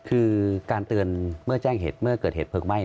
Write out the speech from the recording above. คือการเตือนเมื่อแจ้งเหตุเมื่อเกิดเหตุเพลิงไหม้